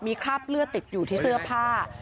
มีคราบเลือดติดอยู่ที่เสื้อผ้า